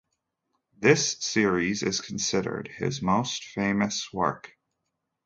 This series is considered his most famous work.